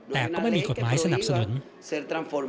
แต่ก็ไม่มีกฎหมายสนับสนุน